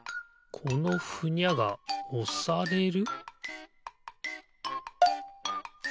このふにゃがおされる？